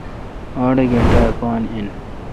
اڑ گینٹہ اے° پان این۔